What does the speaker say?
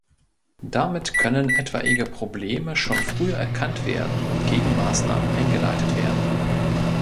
Damit können etwaige Probleme schon früh erkannt werden und Gegenmaßnahmen eingeleitet werden.